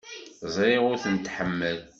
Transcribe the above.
Ẓriɣ ur ten-tḥemmel.